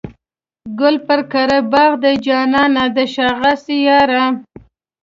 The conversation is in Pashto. ګل پر قره باغ دی جانانه د شا غاسي یاره.